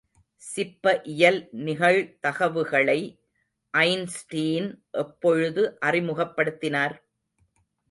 சிப்பஇயல் நிகழ்தகவுகளை ஐன்ஸ்டீன் எப்பொழுது அறிமுகப்படுத்தினார்?